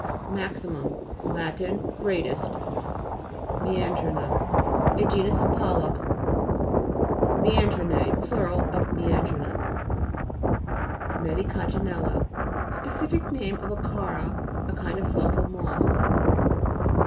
Gan gue. MAXIMUM Lat. Greatest. MEANDRI'NA A genus of polyps. MEANDIUV'^E Plur. of meandrina. MEDICAGJ/XELA Specific name of a chara, a kind of fossil moss.